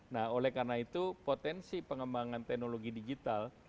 nah oleh karena itu potensi pengembangan teknologi digital